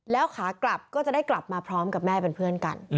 แล้วขากลับก็จะได้กลับมาพร้อมกับแม่เป็นเพื่อนกัน